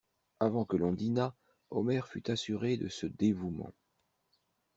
Avant que l'on dînât, Omer fut assuré de ce dévouement.